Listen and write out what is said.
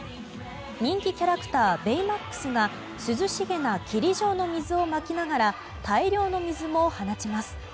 人気キャラクターベイマックスが涼しげな霧状の水をまきながら大量の水を放ちます。